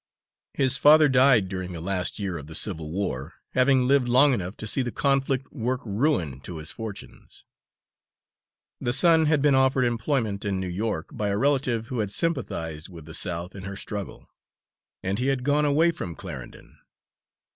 His father died during the last year of the Civil War, having lived long enough to see the conflict work ruin to his fortunes. The son had been offered employment in New York by a relative who had sympathised with the South in her struggle; and he had gone away from Clarendon.